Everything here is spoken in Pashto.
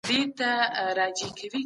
په حسن كي دي ګډ يم